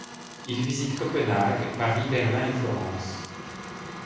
Il visite Copenhague, Paris, Berlin et Florence.